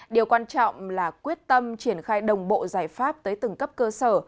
điều quan trọng là quyết tâm triển khai đồng bộ giải pháp tới từng cấp cơ sở